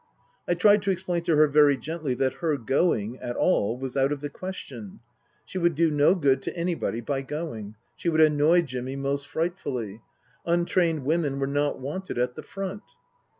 I tried to explain to her very gently that her going at all was out of the question. She would do no good to anybody by going ; she would annoy Jimmy most fright fully ; untrained women were not wanted at the front.